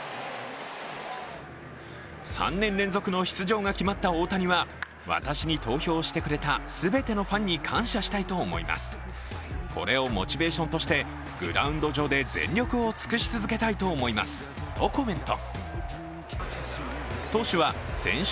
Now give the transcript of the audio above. ３年連続の出場が決まった大谷は、私に投票してくれた全てのファンに感謝したいと思います、これをモチベーションとしてグラウンド上で全力を尽くし続けたいと思いますとコメント。